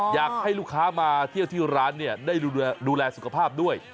อยากให้ลูกค้ามาเที่ยวที่ร้านเนี่ยได้ดูแลสุขภาพด้วย